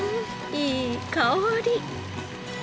いい香り。